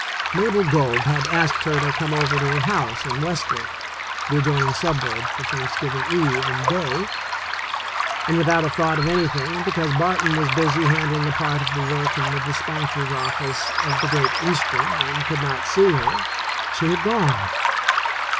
Mabel Gove had asked her to come over to her house in Westleigh, the adjoining suburb, for Thanks giving eve and day, and without a thought of any I40 THE SECOND CHOICE thing, and because Barton was busy handling a part of the work in the despatcher's office of the Great Eastern and could not see her, she had gone.